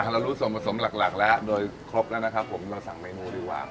เรารู้ส่วนผสมหลักแล้วโดยครบแล้วนะครับผมเราสั่งเมนูดีกว่า